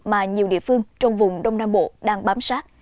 mà nhiều địa phương trong vùng đông nam bộ đang bám sát